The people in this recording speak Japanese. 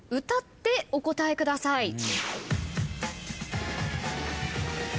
歌ってお答えください。